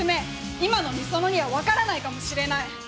今の美園にはわからないかもしれない。